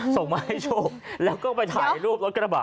ส่งมาให้ชมแล้วก็ไปถ่ายรูปรถกระบะ